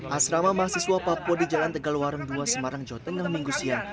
asrama mahasiswa papua di jalan tegal warung ii semarang jawa tengah minggu siang